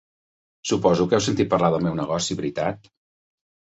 Suposo que heu sentit parlar del meu negoci, veritat?